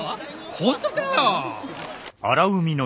本当かよ？